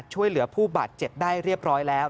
ช่วยเหลือผู้บาดเจ็บได้เรียบร้อยแล้ว